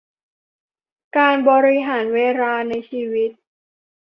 การบริหารเวลาในชีวิต